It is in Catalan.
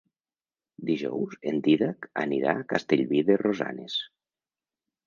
Dijous en Dídac anirà a Castellví de Rosanes.